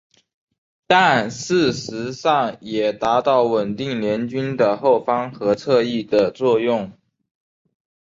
但事实上也达到稳定联军的后方和侧翼的作用。